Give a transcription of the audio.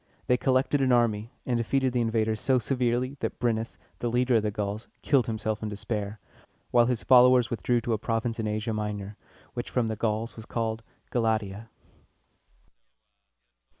They collected an army, and defeated the invaders so severely that Bren´nus, the leader of the Gauls, killed himself in despair, while his followers withdrew to a province in Asia Minor, which from the Gauls was called Ga la´tia.